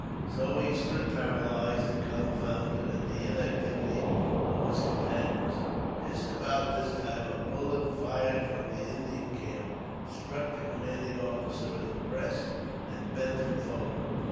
So, he stood paralyzed and confounded at the inactivity of his companions. Just about this time, a bullet, fired from the Indian camp, struck the commanding officer in the breast, and bent him forward.